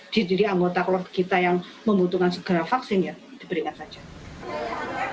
diri diri anggota keluarga kita yang membutuhkan segera vaksin ya diberikan saja